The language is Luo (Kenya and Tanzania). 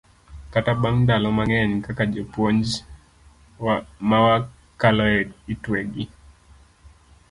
kata bang' ndalo mang'eny kaka jopuonj mawakalo e lwetgi,